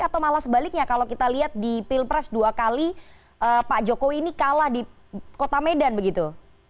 atau malah sebaliknya kalau kita lihat di pilpres dua kali pak jokowi ini kalah di kota medan begitu